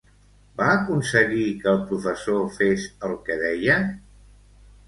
Va aconseguir que el professor fes el que deia?